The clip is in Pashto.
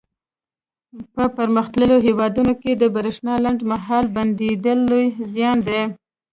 په پرمختللو هېوادونو کې د برېښنا لنډ مهاله بندېدل لوی زیان دی.